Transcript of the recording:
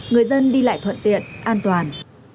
người dân đi lại thuận tiện an toàn